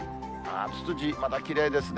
ツツジ、またきれいですね。